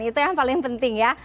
itu yang paling penting ya